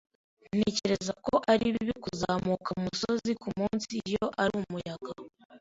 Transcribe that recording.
Ntekereza ko ari bibi kuzamuka umusozi kumunsi iyo ari umuyaga.